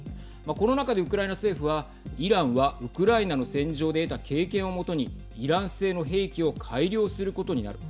この中でウクライナ政府はイランはウクライナの戦場で得た経験をもとにイラン製の兵器を改良することになる。